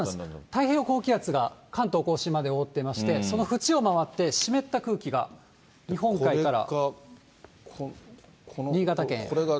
太平洋高気圧が関東甲信まで覆ってまして、その縁を回って湿った空気が日本海から。